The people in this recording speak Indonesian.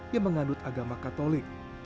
yang mengandut agama katolik